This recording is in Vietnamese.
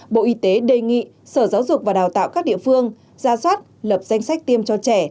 bộ y tế đề nghị sở giáo dục và đào tạo các địa phương ra soát lập danh sách tiêm cho trẻ